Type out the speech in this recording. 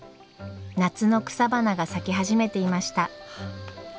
夏の草花が咲き始めていました。